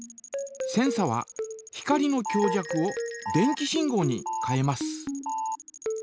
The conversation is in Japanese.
センサは光の強弱を電気信号に変えます。